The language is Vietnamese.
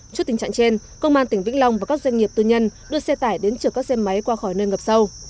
trước tình trạng trên công an tỉnh vĩnh long và các doanh nghiệp tư nhân đưa xe tải đến chở các xe máy qua khỏi nơi ngập sâu